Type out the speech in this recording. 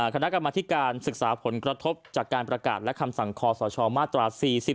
คณะกรรมธิการศึกษาผลกระทบจากการประกาศและคำสั่งคอสชมาตรา๔๔